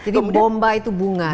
jadi bomba itu bunga ya